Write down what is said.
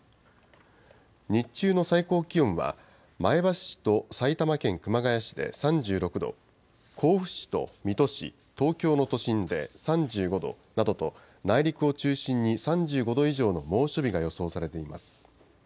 日中の最高気温は、前橋市と埼玉県熊谷市で３６度、甲府市と水戸市、東京の都心で３５度などと、内陸を中心に３５度以上の猛暑日が予想されています。